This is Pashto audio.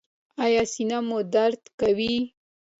ایا سینه مو درد کوي؟